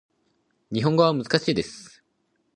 日本語は難しいです